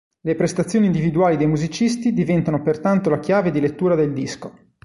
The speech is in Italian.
Le prestazioni individuali dei musicisti diventano pertanto la chiave di lettura del disco.